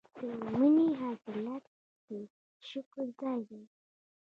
د مني حاصلات د شکر ځای دی.